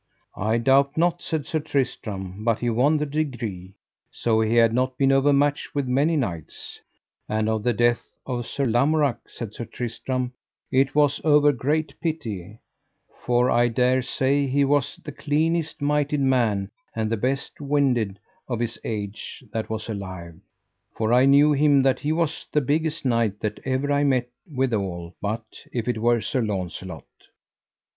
I doubt not, said Sir Tristram, but he won the degree, so he had not been overmatched with many knights; and of the death of Sir Lamorak, said Sir Tristram, it was over great pity, for I dare say he was the cleanest mighted man and the best winded of his age that was alive; for I knew him that he was the biggest knight that ever I met withal, but if it were Sir Launcelot.